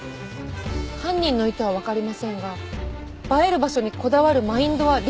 犯人の意図はわかりませんが映える場所にこだわるマインドは理解できます。